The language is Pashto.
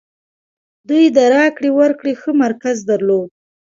دوی د راکړې ورکړې ښه مرکز درلود.